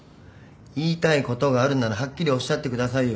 言いたいことがあるならはっきりおっしゃってくださいよ。